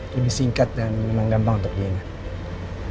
lebih singkat dan memang gampang untuk diingat